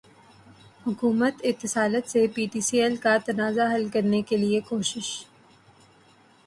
حکومت اتصالات سے P T C L کا تنازع حل کرنے کیلئے کوشاں